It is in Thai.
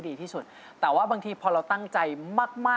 เสียบตรงนี้ซอยหนวดให้แน่